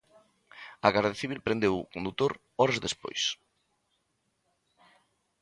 A Garda Civil prendeu o condutor horas despois.